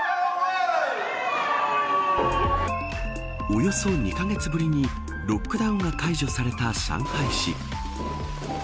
およそ２カ月ぶりにロックダウンが解除された上海市。